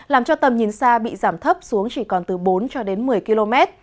làm cho tầm nhìn xa bị giảm thấp xuống chỉ còn từ bốn cho đến một mươi km